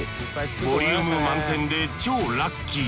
ボリューム満点で超ラッキー。